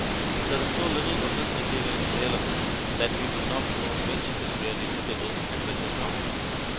There is so little of this material available that we do not know which is really typical and which is not.